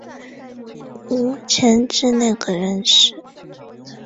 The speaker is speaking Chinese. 五迁至内阁学士。